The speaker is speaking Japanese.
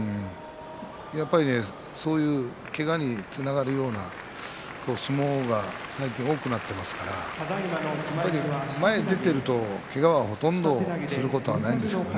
やはり、そういうけがにつながるような相撲が最近多くなっていますから前に出ていると、けがはほとんどすることはないんですけどね。